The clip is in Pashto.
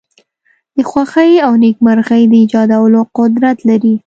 د خوښۍ او نېکمرغی د ایجادولو قدرت لری.